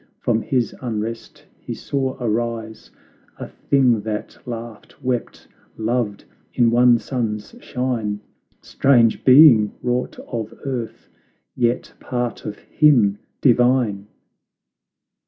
from his unrest he saw arise A thing that laughed, wept, loved in one sun's shine, Strange being wrought of earth, yet part of him, divine!